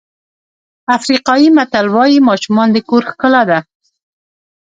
افریقایي متل وایي ماشومان د کور ښکلا ده.